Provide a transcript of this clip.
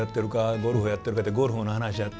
ゴルフやってるか？」ってゴルフの話やって。